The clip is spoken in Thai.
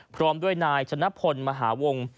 พร้อมด้วยนายชนะพลมหาวงศ์